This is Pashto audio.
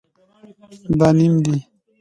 دا نیم دی